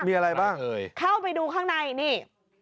มีอะไรบ้างเอ่ยเข้าไปดูข้างในนี่